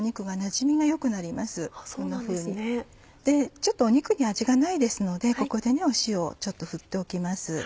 ちょっと肉に味がないですのでここで塩を振っておきます。